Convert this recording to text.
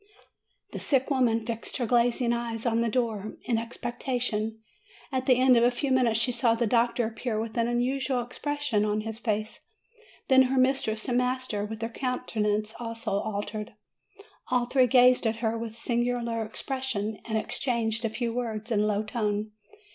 The sick woman fixed her glazing eyes on the door, in expectation. At the end of a few minutes she saw the doctor appear with an unusual expression on his face; then her mistress and master, with their countenances also altered. All three gazed at her with a singular expression, and exchanged a few words in a low tone.